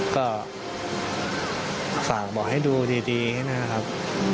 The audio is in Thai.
ก็ฝากบอกให้ดูดีให้นะครับ